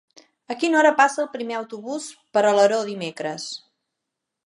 A quina hora passa el primer autobús per Alaró dimecres?